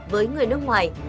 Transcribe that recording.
với người nước ngoài